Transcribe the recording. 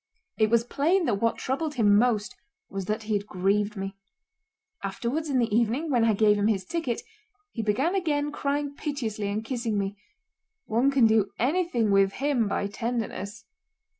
It was plain that what troubled him most was that he had grieved me. Afterwards in the evening when I gave him his ticket, he again began crying piteously and kissing me. One can do anything with him by tenderness.